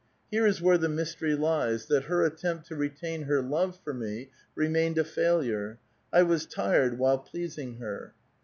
Here is where the mystery lies, that her attem])t to retain her love for me remained a failure. I was tired while pleasing her.